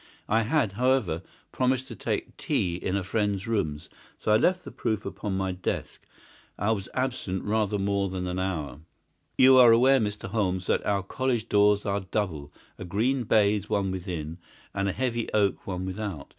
I had, however, promised to take tea in a friend's rooms, so I left the proof upon my desk. I was absent rather more than an hour. "You are aware, Mr. Holmes, that our college doors are double—a green baize one within and a heavy oak one without.